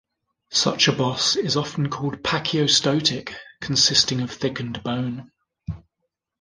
Such a boss is often called "pachyostotic", consisting of thickened bone.